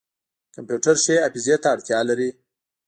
کمپیوټر ښې حافظې ته اړتیا لري.